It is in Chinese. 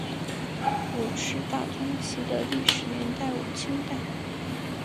伍氏大宗祠的历史年代为清代。